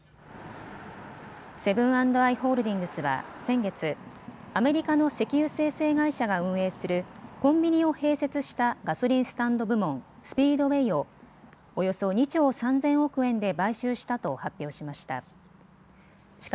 セブン＆アイ・ホールディングスは先月、アメリカの石油精製会社が運営するコンビニを併設したガソリンスタンド部門、スピードウェイをおよそ２兆３０００億円で買収したと発表しました。